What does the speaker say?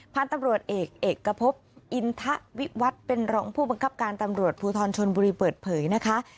พันธุ์ตำรวจเอกเอกพบอินทะวิวัฒน์เป็นรองผู้บังคับการตำรวจภูทรชนบุรีเปิดเผยนะคะ